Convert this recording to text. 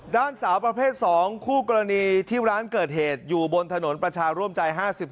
สาวประเภท๒คู่กรณีที่ร้านเกิดเหตุอยู่บนถนนประชาร่วมใจ๕๔